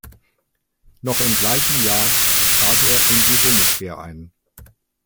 Noch im gleichen Jahr trat er in die Bundeswehr ein.